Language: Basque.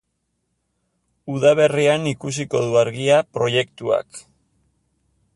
Udaberrian ikusiko du argia proiektuak.